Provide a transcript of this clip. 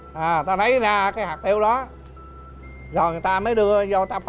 à người ta lấy ra cái hạt tiêu ra người ta mới lựa cái hạt chính người ta mới lật đi